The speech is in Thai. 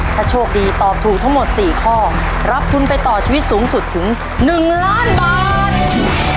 ถ้าโชคดีตอบถูกทั้งหมด๔ข้อรับทุนไปต่อชีวิตสูงสุดถึง๑ล้านบาท